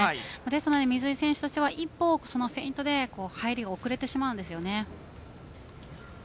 水井選手としては一本フェイントで入りが遅れてしまうんです。